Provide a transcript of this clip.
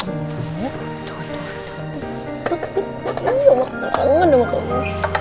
aduh makan banget dong kamu